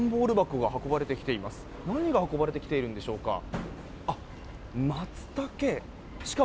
何が運ばれてきているのでしょうか。